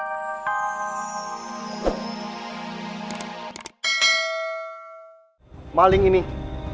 ketika aku tidak bisa